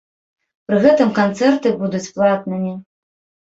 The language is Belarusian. Пры гэтым канцэрты будуць платнымі.